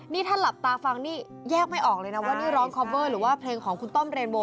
นี่ถ้าหลับตาฟังนี่แยกไม่ออกเลยนะว่านี่ร้องคอเวอร์หรือว่าเพลงของคุณต้อมเรนโบ